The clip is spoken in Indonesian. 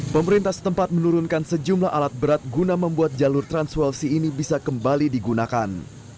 pemerintah setempat menurunkan sejumlah alat berat guna membuat jalur transwelsi ini bisa kembali digunakan